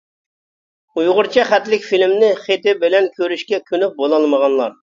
ئۇيغۇرچە خەتلىك فىلىمنى خېتى بىلەن كۆرۈشكە كۆنۈپ بولالمىغانلار.